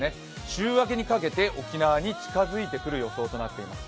週明けにかけて、沖縄に近づいてくる予想となっています。